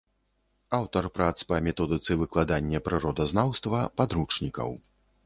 Аўтар прац па методыцы выкладання прыродазнаўства, падручнікаў.